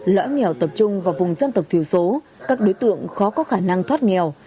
lỡ nghèo tập trung vào vùng dân tộc thiếu số các đối tượng khó có khả năng thoát nghèo